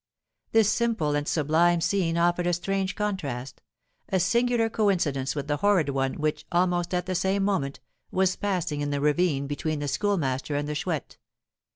This simple and sublime scene offered a strange contrast, a singular coincidence with the horrid one which, almost at the same moment, was passing in the ravine between the Schoolmaster and the Chouette.